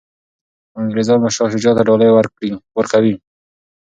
انګریزان به شاه شجاع ته ډالۍ ورکوي.